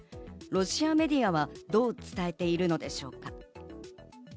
ロシアメディアはどう伝えているのでしょうか。